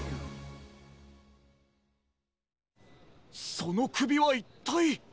そのくびはいったい。